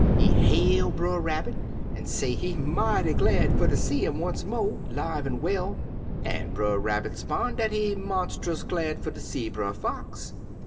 He hail Brer Rabbit, an' say he mighty glad fer ter see 'im once mo', live an' well, an' Brer Rabbit 'spon' dat he monstus glad fer ter see Brer Fox.